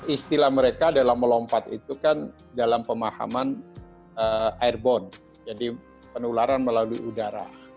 istilah mereka dalam melompat itu kan dalam pemahaman airborne jadi penularan melalui udara